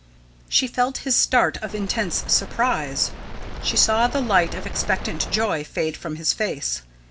She felt his start of intense surprise. She saw the light of expectant joy fade from his face.